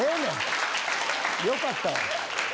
よかったわ。